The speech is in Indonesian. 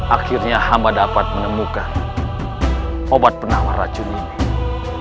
akhirnya hamba dapat menemukan obat penawar racuni ini